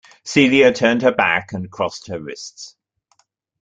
Celia turned her back and crossed her wrists.